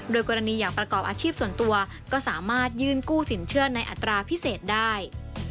โดยกรณีอย่างประกอบอาชีพส่วนตัวก็สามารถยื่นกู้สินเชื่อในอัตราพิเศษได้